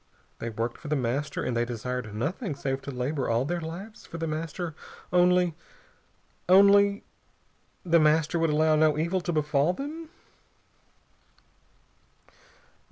They worked for The Master, and they desired nothing save to labor all their lives for The Master, only only The Master would allow no evil to befall them?